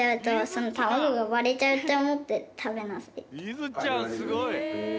りづちゃんすごい。